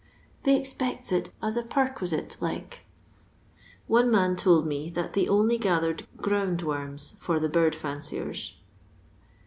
" They expects it as a parquisite, like." One man told me that they only gathered ground worms for the bird fonciers.